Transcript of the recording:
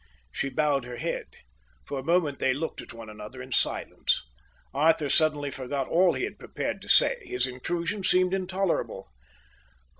She bowed her head. For a moment they looked at one another in silence. Arthur suddenly forgot all he had prepared to say. His intrusion seemed intolerable.